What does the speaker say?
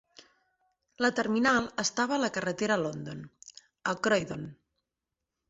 La terminal estava a la carretera London, a Croydon.